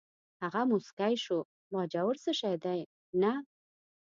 هغه موسکی شو: باجوړ څه شی دی، نه.